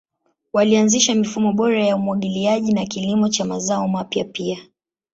Walianzisha mifumo bora ya umwagiliaji na kilimo cha mazao mapya pia.